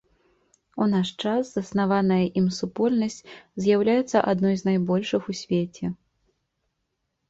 У наш час заснаваная ім супольнасць з'яўляецца адной з найбольшых у свеце.